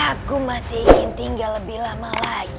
aku masih ingin tinggal lebih lama lagi